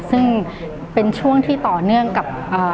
ซึ่งเป็นช่วงที่ต่อเนื่องกับ